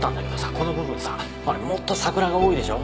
この部分さあれもっと桜が多いでしょ。